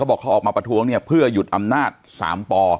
บอกเขาออกมาประท้วงเนี่ยเพื่อหยุดอำนาจ๓ป